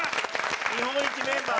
日本一メンバー。